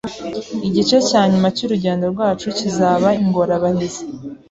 Igice cya nyuma cyurugendo rwacu kizaba ingorabahizi.